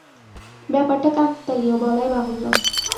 ব্যাপারটা কাকতালীয়, বলাই বাহুল্য।